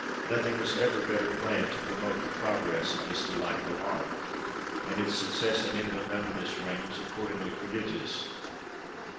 Nothing was ever better planned to promote the progress of this delightful art ; and its success in England under this reign was accordingly prodigious.